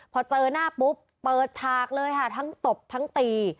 พอเจอหน้าปุ๊บเปิดฉากเลยค่ะทั้งตบทั้งตี